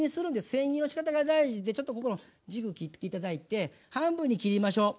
せん切りの仕方が大事でちょっとここの軸切って頂いて半分に切りましょう。